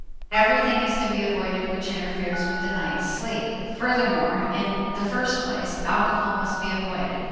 Everything is to be avoided which interferes with the night's sleep. Furthermore, in the first place, alcohol must be avoided.